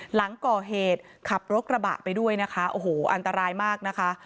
หลังก่อเหตุขับรถกระบะไปด้วยนะคะโอ้โหอันตรายมากนะคะ